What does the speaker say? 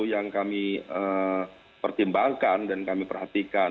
yang kami pertimbangkan dan kami perhatikan